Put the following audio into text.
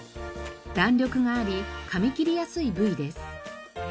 弾力があり噛み切りやすい部位です。